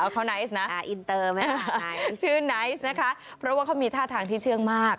เขาไนท์นะอินเตอร์ไหมชื่อไนท์นะคะเพราะว่าเขามีท่าทางที่เชื่องมาก